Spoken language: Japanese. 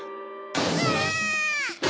うわ！